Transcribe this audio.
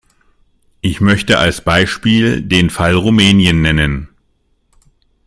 Ich möchte als Beispiel den Fall Rumänien nennen.